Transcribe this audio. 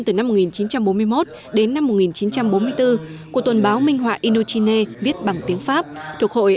từ năm một nghìn chín trăm bốn mươi một đến năm một nghìn chín trăm bốn mươi bốn của tuần báo minh họa indochina viết bằng tiếng pháp thuộc hội